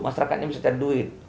masyarakatnya bisa cari duit